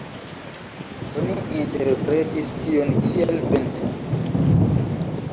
Oni interpretis tion kiel "venta".